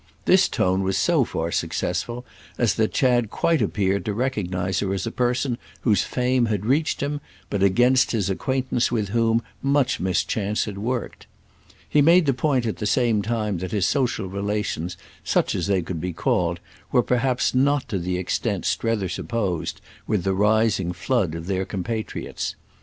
This tone was so far successful as that Chad quite appeared to recognise her as a person whose fame had reached him, but against his acquaintance with whom much mischance had worked. He made the point at the same time that his social relations, such as they could be called, were perhaps not to the extent Strether supposed with the rising flood of their compatriots.